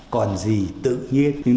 còn gì tự nhiên